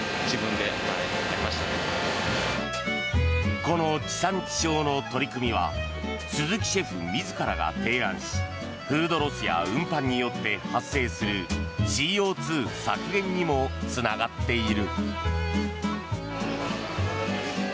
この地産地消の取り組みは鈴木シェフ自らが提案しフードロスや運搬によって発生するＣＯ２削減にもつながっている。